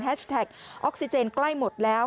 แฮชแท็กออกซิเจนใกล้หมดแล้ว